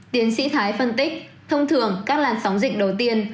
tiến sĩ thái phân tích thông thường các làn sóng dịch đầu tiên